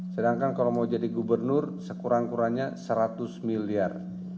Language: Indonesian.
sedangkan kalau mau jadi gubernur sekurang kurangnya seratus miliar